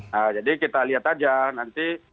nah jadi kita lihat aja nanti